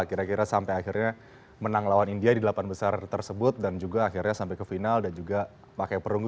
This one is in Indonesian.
kira kira sampai akhirnya menang lawan india di delapan besar tersebut dan juga akhirnya sampai ke final dan juga pakai perunggu